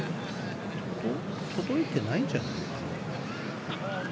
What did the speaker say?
届いてないんじゃない？